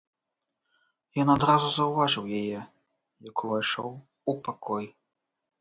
Ён адразу заўважыў яе, як увайшоў у пакой.